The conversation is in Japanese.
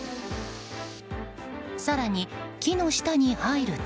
更に木の下に入ると。